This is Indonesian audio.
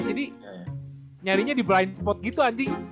jadi nyarinya di blind spot gitu anjing